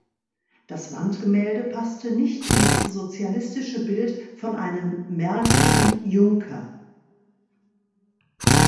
Das Wandgemälde passte nicht ins sozialistische Bild von einem märkischen Junker.